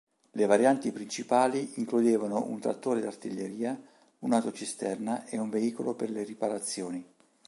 Le varianti principali includevano un trattore d'artiglieria, un'autocisterna e un veicolo per le riparazioni.